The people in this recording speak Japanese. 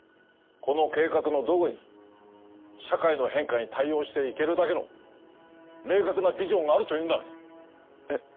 この計画のどこに社会の変化に対応していけるだけの明確なビジョンがあるというんだね。